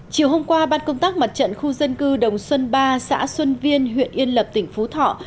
chiều hôm qua ban công tác mặt trận khu dân cư đồng xuân ba xã xuân viên huyện yên lập tỉnh phú thọ